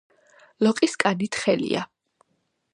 ლოყის კანი თხელია.